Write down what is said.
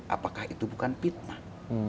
apakah itu bukan fitnah